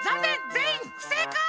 ぜんいんふせいかい！